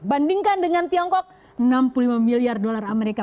bandingkan dengan tiongkok enam puluh lima miliar dolar amerika